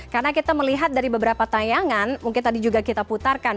karena kita melihat dari beberapa tayangan mungkin tadi juga kita putarkan